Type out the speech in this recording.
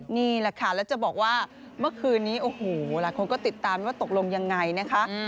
นี่แหละค่ะแล้วจะบอกว่าเมื่อคืนนี้โอ้โหหลายคนก็ติดตามว่าตกลงยังไงนะคะ